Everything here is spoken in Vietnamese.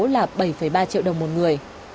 là bảy ba triệu đồng một người